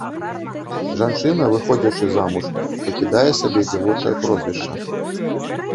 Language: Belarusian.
Жанчына, выходзячы замуж, пакідае сабе дзявочае прозвішча.